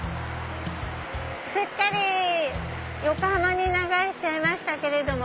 すっかり横浜に長居しちゃいましたけれども。